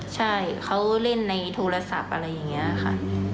ใช่เขาเล่นในโทรศัพท์อะไรอย่างนี้ค่ะ